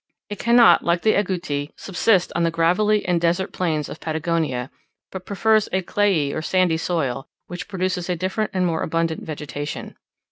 It cannot, like the agouti, subsist on the gravelly and desert plains of Patagonia, but prefers a clayey or sandy soil, which produces a different and more abundant vegetation.